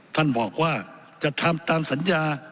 ท่านบอกว่าจะทำตามสัญญา